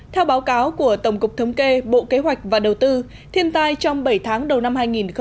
theo báo cáo của tổng cục thống kê bộ kế hoạch và đầu tư thiên tai trong bảy tháng đầu năm hai nghìn một mươi chín